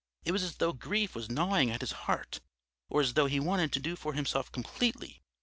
It was as though grief was gnawing at his heart, or as though he wanted to do for himself completely.